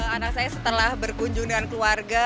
anak saya setelah berkunjung dengan keluarga